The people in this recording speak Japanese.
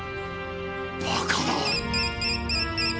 バカな！